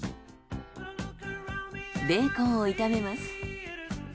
ベーコンを炒めます。